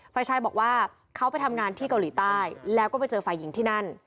ฝ่ายชายบอกว่าเขาไปทำงานที่เกาหลีใต้แล้วก็ไปเจอฝ่ายหญิงที่นั่น